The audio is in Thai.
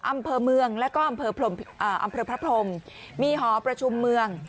อำเภอเมืองแล้วก็อำเภอพระพรมมีหอประชุมเมือง